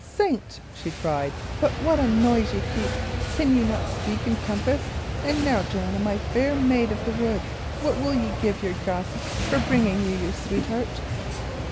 "Saints!" she cried, "but what a noise ye keep! Can ye not speak in compass? And now, Joanna, my fair maid of the woods, what will ye give your gossip for bringing you your sweetheart?"